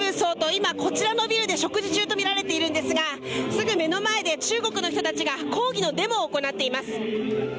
今、こちらのビルで食事中とみられているんですがすぐ目の前で中国の人たちが抗議のデモを行っています。